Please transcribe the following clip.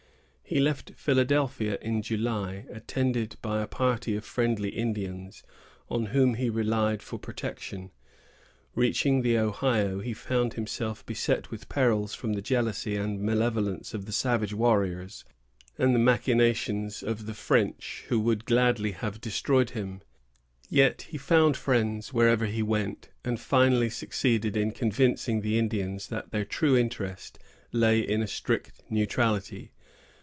He left Philadelphia in July, attended by a party of friendly Indians, on whom he relied for protection. Reaching the Ohio, he found himself beset with perils from the jealousy and malevolence of the savage warriors, and the machinations of the French, who would gladly have destroyed him. Yet he found friends wherever he went, and finally succeeded in convincing the Indians that their true interest lay in a strict neutrality.